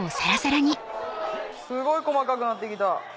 すごい細かくなってきた。